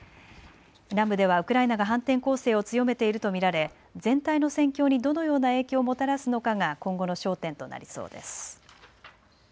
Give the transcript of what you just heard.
南部ではウクライナが反転攻勢を強めていると見られ全体の戦況にどのような影響をもたらすのかが今後の焦点となりそうです。